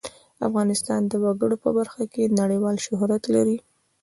افغانستان د وګړي په برخه کې نړیوال شهرت لري.